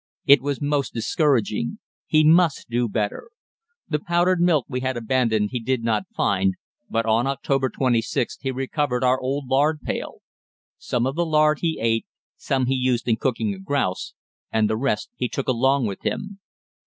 It was most discouraging. He must do better. The powdered milk we had abandoned he did not find, but on October 26th he recovered our old lard pail. Some of the lard he ate, some he used in cooking a grouse, and the rest he took along with him.